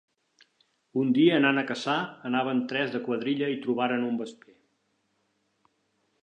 Un dia anant a caçar anaven tres de quadrilla i trobaren un vesper.